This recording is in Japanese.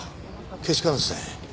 けしからんですね。